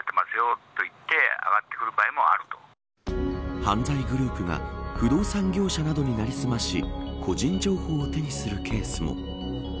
犯罪グループが不動産業者などに成り済まし個人情報を手にするケースも。